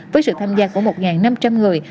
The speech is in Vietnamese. với sự tham gia của một năm trăm linh người